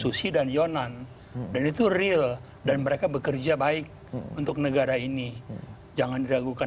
susi dan yonan dan itu real dan mereka bekerja baik untuk negara ini jangan diragukan